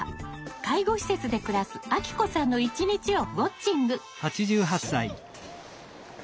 介護施設で暮らすあきこさんの一日をウォッチング。